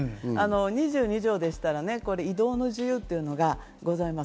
２２条でしたら、移動の自由というのがございます。